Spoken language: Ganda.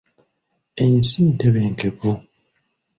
Ensi ntebenkevu.